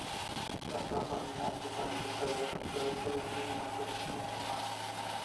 Las tropas de Sancho salen victoriosas, pero este decide no perseguir a su hermano.